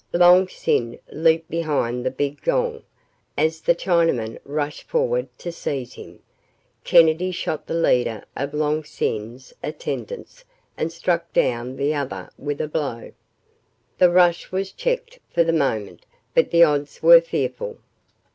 Long Sin leaped behind the big gong. As the Chinamen rushed forward to seize him, Kennedy shot the leader of Long Sin's attendants and struck down the other with a blow. The rush was checked for the moment. But the odds were fearful.